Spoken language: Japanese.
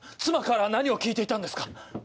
妻から何を聞いていたんですか？